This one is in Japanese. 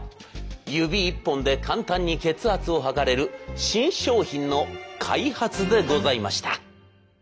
指１本で簡単に血圧を測れる新商品の開発でございました。